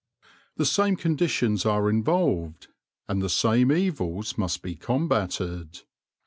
The same conditions are involved, and the same evils must be combated.